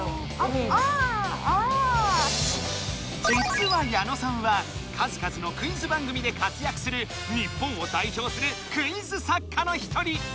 じつは矢野さんは数々のクイズ番組で活やくする日本をだいひょうするクイズ作家の一人。